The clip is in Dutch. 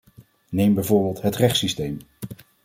Neem bijvoorbeeld het rechtssysteem.